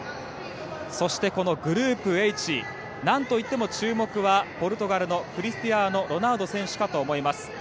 そして、このグループＨ何といっても注目はポルトガルのクリスティアーノ・ロナウド選手かと思います。